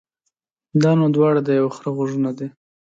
دا نو دواړه د يوه خره غوږونه دي.